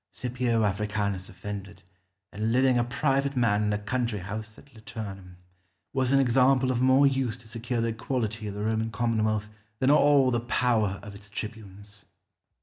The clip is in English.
Scipio Africanus offended, and living a private man in a country house at Liternum, was an example of more use to secure the equality of the Roman commonwealth than all the power of its tribunes.